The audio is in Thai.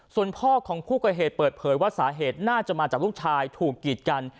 ส่วนพ่อของผู้ก่อเหตุเปิดเผยว่าสาเหตุน่าจะมาจากลูกชายถูกกีดกัน